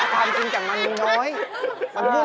ทำจริงจังมานิ้งน้อย